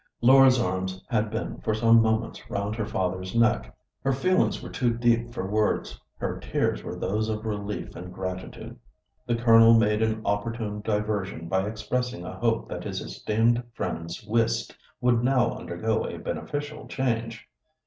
Laura's arms had been for some moments round her father's neck; her feelings were too deep for words; her tears were those of relief and gratitude. The Colonel made an opportune diversion by expressing a hope that his esteemed friend's whist would now undergo a beneficial change.